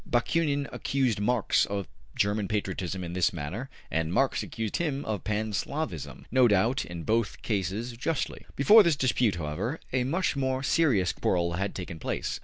Bakunin accused Mars of German patriotism in this matter, and Marx accused him of Pan Slavism, no doubt in both cases justly. Before this dispute, however, a much more serious quarrel had taken place.